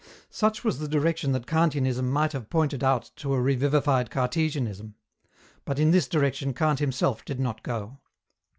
Such was the direction that Kantianism might have pointed out to a revivified Cartesianism. But in this direction Kant himself did not go.